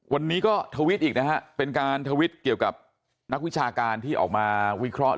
วันนี้ก็ทวิตอีกนะฮะเป็นการทวิตเกี่ยวกับนักวิชาการที่ออกมาวิเคราะห์